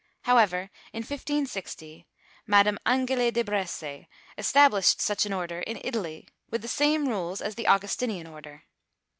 However, in 1560 Madame Angele de Bresse established such an order in Italy, with the same rules as the Augustinian order.